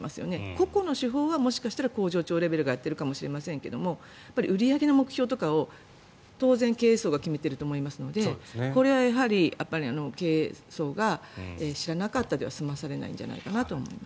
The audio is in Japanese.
個々の手法はもしかしたら工場長レベルがやっているかもしれませんが売り上げの目標とかを当然、経営層が決めていると思いますのでこれは経営層が知らなかったでは済まされないかと思います。